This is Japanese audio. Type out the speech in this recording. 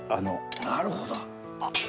なるほど。